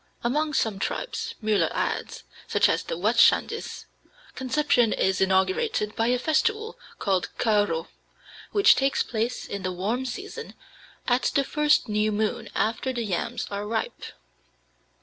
Among some tribes, Müller adds, such as the Watschandis, conception is inaugurated by a festival called kaaro, which takes place in the warm season at the first new moon after the yams are ripe.